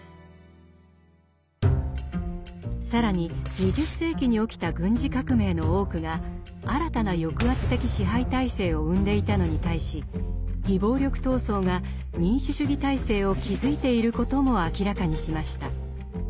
更に２０世紀に起きた軍事革命の多くが新たな抑圧的支配体制を生んでいたのに対し非暴力闘争が民主主義体制を築いていることも明らかにしました。